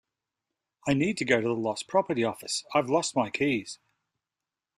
I need to go to the lost property office. I’ve lost my keys